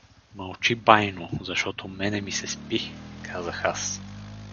— Мълчи, байно, защото мене ми се спи — казах аз.